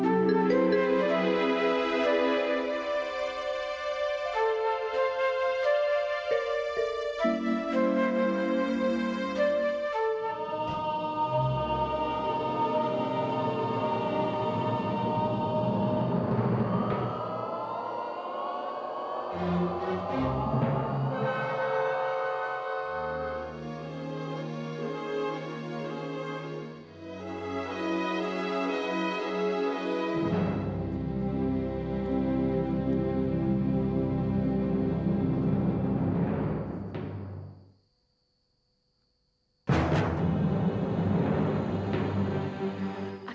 di video selanjutnya